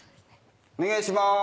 お願いしまーす。